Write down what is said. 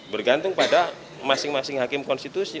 bergantung pada masing masing hakim konstitusi